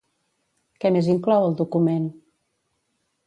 Què més inclou el document?